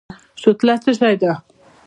شوتله څه شی ده؟